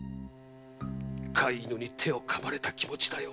飼い犬に手を噛まれた気持ちだよ。